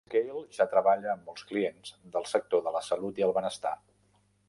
Freescale ja treballa amb molts clients del sector de la salut i el benestar.